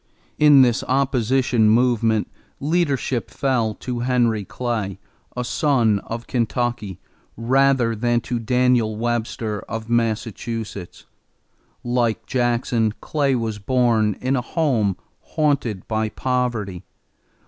= In this opposition movement, leadership fell to Henry Clay, a son of Kentucky, rather than to Daniel Webster of Massachusetts. Like Jackson, Clay was born in a home haunted by poverty.